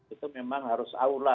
itu memang harus aula